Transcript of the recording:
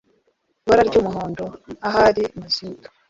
Ibara ry umuhondo ahari Mazutu